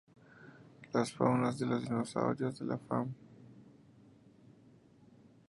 Las faunas de dinosaurios de la Fm.